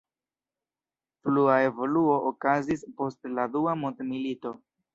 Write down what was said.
Plua evoluo okazis post la dua mondmilito.